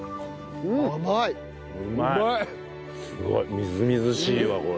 みずみずしいわこれ。